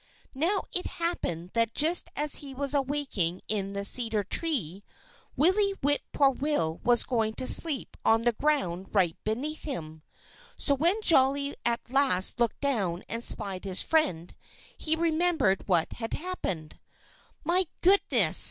Now, it happened that just as he was awaking in the cedar tree, Willie Whip poor will was going to sleep on the ground right beneath him. So when Jolly at last looked down and spied his friend, he remembered what had happened. "My goodness!"